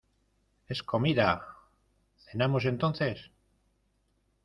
¡ es comida! ¿ cenamos, entonces?